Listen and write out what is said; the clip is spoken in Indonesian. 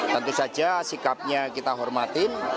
tentu saja sikapnya kita hormatin